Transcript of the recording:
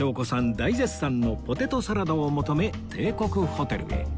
大絶賛のポテトサラダを求め帝国ホテルへ